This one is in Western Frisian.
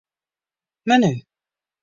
Menu.